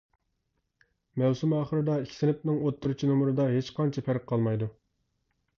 مەۋسۇم ئاخىرىدا ئىككى سىنىپنىڭ ئوتتۇرىچە نومۇرىدا ھېچقانچە پەرق قالمايدۇ.